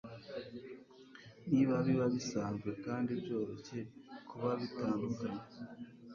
niba biza bisanzwe kandi byoroshye kuba bitandukanye